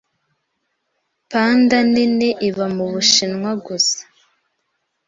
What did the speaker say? Panda nini iba mu Bushinwa gusa.